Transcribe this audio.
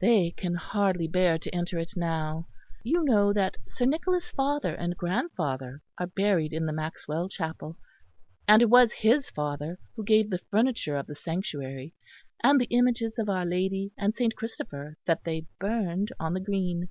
They can hardly bear to enter it now. You know that Sir Nicholas' father and grandfather are buried in the Maxwell chapel; and it was his father who gave the furniture of the sanctuary, and the images of Our Lady and Saint Christopher that they burned on the green."